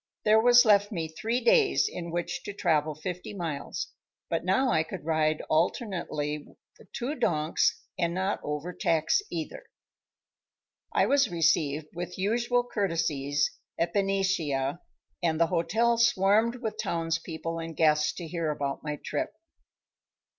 There was left me three days in which to travel fifty miles, but now I could ride alternately the two donks and not overtax either. I was received with usual courtesies at Benicia, and the hotel swarmed with townspeople and guests to hear about my trip.